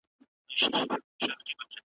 چي په ژوندکي کوم شى سخــت دئ عزتمنه